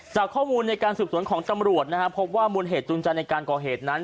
จากข้อมูลในการสูบสนของตำรวจนะฮะพบว่ามูลเหตุจุนจันทร์ในการก่อเหตุนั้น